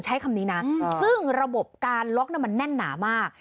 ใช้คำนี้นะซึ่งระบบการล็อกมันแน่นหนามาก